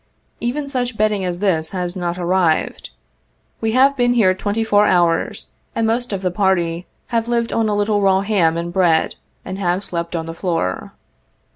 Even such bedding as this has not arrived. We have been here twenty four hours, and most of the party have lived on a little raw ham and bread, and have slept on the floor.